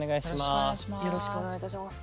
よろしくお願いします。